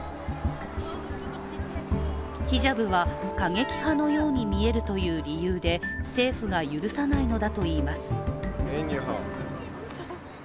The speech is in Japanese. ヒジャブは過激派のように見えるという理由で政府が許さないのだといいます。